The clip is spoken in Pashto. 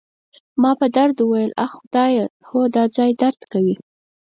ما په درد وویل: اخ، خدایه، هو، دا ځای درد کوي.